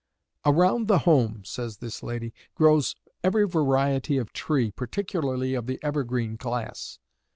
"Around the 'Home,'" says this lady, "grows every variety of tree, particularly of the evergreen class.